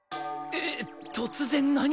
えっ突然何？